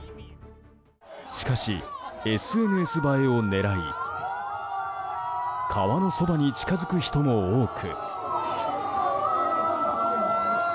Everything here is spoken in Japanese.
しかし、ＳＮＳ映えを狙い川のそばに近づく人も多く。